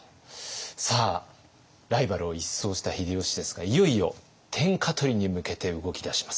さあライバルを一掃した秀吉ですがいよいよ天下取りに向けて動き出します。